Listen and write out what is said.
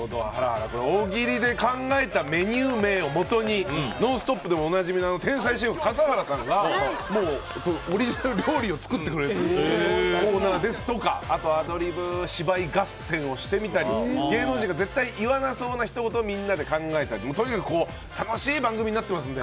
大喜利で考えたメニュー名をもとに「ノンストップ！」でもおなじみの天才シェフ笠原さんがオリジナル料理を作ってくれるコーナーですとかアドリブ芝居合戦をしてみたり芸能人が絶対言わなそうなひと言をみんなで考えたりとにかく楽しい番組となってます。